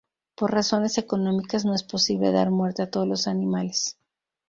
Por razones económicas no es posible dar muerte a todos los animales.